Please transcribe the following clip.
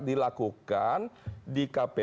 dilakukan di kpu